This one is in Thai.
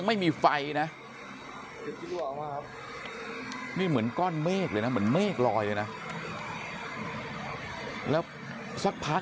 ไม่มีไฟนะนี่เหมือนก้อนเมฆเลยนะเหมือนเมฆลอยเลยนะแล้วสักพัก